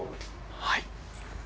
はい。